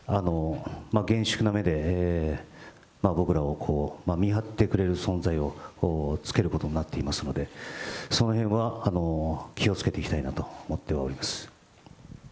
厳粛な目で僕らを見張ってくれる存在をつけることになっていますので、そのへんは気をつけていきたいなとは思っております。